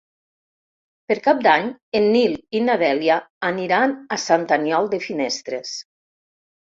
Per Cap d'Any en Nil i na Dèlia aniran a Sant Aniol de Finestres.